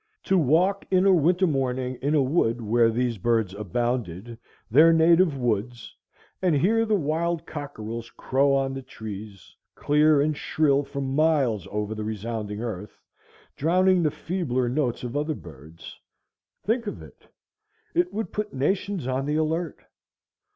To walk in a winter morning in a wood where these birds abounded, their native woods, and hear the wild cockerels crow on the trees, clear and shrill for miles over the resounding earth, drowning the feebler notes of other birds,—think of it! It would put nations on the alert.